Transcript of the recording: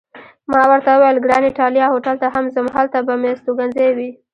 ما ورته وویل: ګران ایټالیا هوټل ته هم ځم، هلته به مې استوګنځی وي.